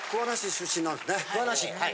桑名市はい。